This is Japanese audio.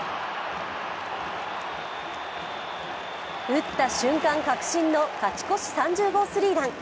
打った瞬間、確信の勝ち越し３０号スリーラン。